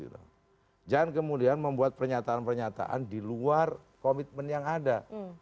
dan kemudian membuat pernyataan pernyataan di luar komitmen yang ada